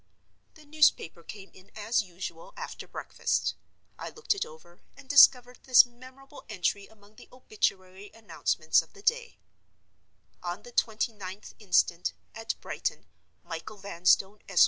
The newspaper came in, as usual, after breakfast. I looked it over, and discovered this memorable entry among the obituary announcements of the day: "On the 29th inst., at Brighton, Michael Vanstone, Esq.